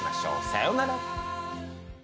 さようなら。